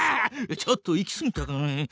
ちょっと行きすぎたかね。